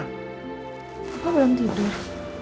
apa belum tidur